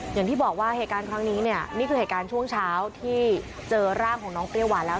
อย่างที่บอกว่าเหตุการณ์ครั้งนี้เนี่ยนี่คือเหตุการณ์ช่วงเช้าที่เจอร่างของน้องเปรี้ยหวานแล้ว